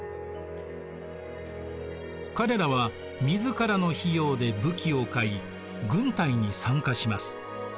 彼らは自らの費用で武器を買い軍隊に参加します。